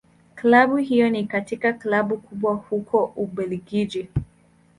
Klabu hiyo ni katika Klabu kubwa huko Ubelgiji.